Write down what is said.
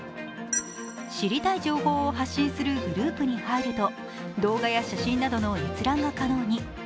知りたい情報を発信するグループに入ると、動画や写真などの閲覧が可能に。